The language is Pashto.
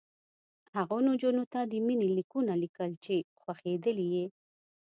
هغو نجونو ته د مینې لیکونه لیکل چې خوښېدلې یې